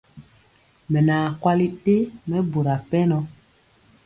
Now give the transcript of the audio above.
Mɛ naa kwali ɗe mɛbura pɛnɔ.